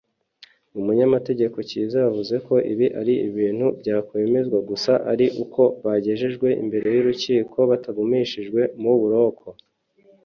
umunyamategeko Kiiza yavuze ko ibi ari ibintu byakwemezwa gusa ari uko bagejejwe imbere y’urukiko batagumishijwe mu buroko